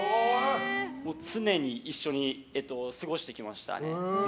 常に一緒に過ごしてきましたね。